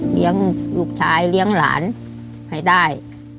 เลี้ยงลูกชายเลี้ยงหลานให้ได้